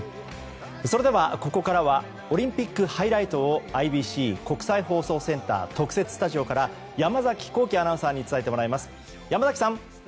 それではここからオリンピックハイライトをＩＢＣ・国際放送センター特設スタジオから山崎弘喜アナウンサーに伝えてもらいます。